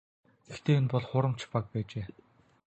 Гэхдээ энэ бол хуурамч баг байжээ.